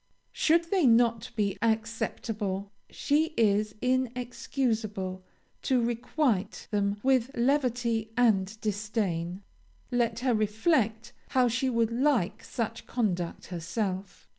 "Should they not be acceptable, she is inexcusable to requite them with levity and disdain. Let her reflect how she would like such conduct herself.